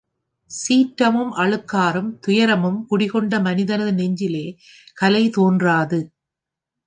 சீற்றமும் அழுக்காறும் துயரமும் குடிகொண்ட மனிதனது நெஞ்சிலே கலை தோன்றாது.